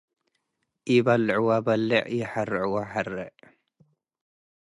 ኢበልዕወ በሌዕ ይሐርዕወ ሐሬዕ።